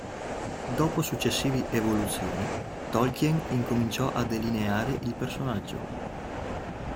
Dopo successive evoluzioni, Tolkien incominciò a delineare il personaggio.